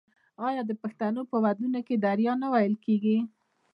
آیا د پښتنو په ودونو کې دریا نه وهل کیږي؟